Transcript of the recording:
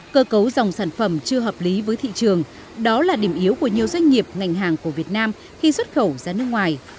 cơ cấu dòng sản phẩm chưa hợp lý với thị trường đó là điểm yếu của nhiều doanh nghiệp ngành hàng của việt nam khi xuất khẩu ra nước ngoài